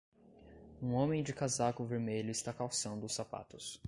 Um homem de casaco vermelho está calçando os sapatos.